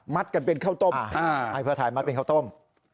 มัดกันเป็นข้าวโต้ม